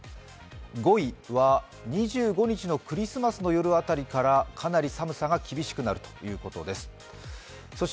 ５位は、２５日のクリスマスの夜辺りからかなり寒さが厳しくなるということです。